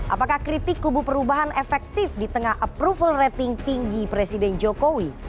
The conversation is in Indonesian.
apakah kritik kubu perubahan efektif di tengah approval rating tinggi presiden jokowi